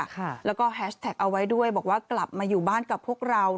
ค่ะแล้วก็แฮชแท็กเอาไว้ด้วยบอกว่ากลับมาอยู่บ้านกับพวกเรา